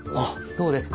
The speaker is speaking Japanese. どうですか？